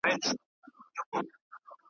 باران کرنې ته ګټه رسوي.